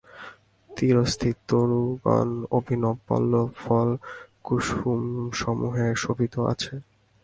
তীরস্থিত তরুগণ অভিনব পল্লব ফল কুসুম সমূহে সুশোভিত আছে।